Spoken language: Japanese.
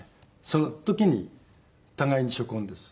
その時に互いに初婚です。